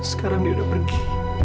sekarang dia udah pergi